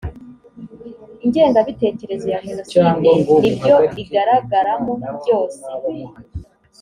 ingengabitekerezo ya jenoside n ibyo igaragaramo byose